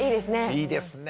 いいですね！